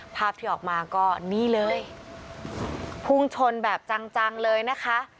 ภาพที่ออกมาก็นี่เลยพุ่งชนแบบจังจังเลยนะคะ